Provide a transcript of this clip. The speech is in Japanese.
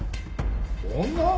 女？